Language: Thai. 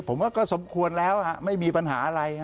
ผมว่าก็สมควรแล้วไม่มีปัญหาอะไร